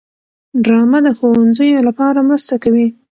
ډرامه د ښوونځیو لپاره مرسته کوي